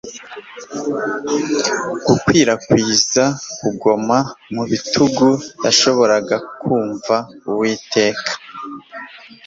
gukwirakwiza-kagoma mu bitugu. yashoboraga kumva uwiteka